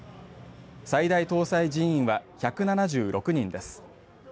最大搭載人員は１７６人です。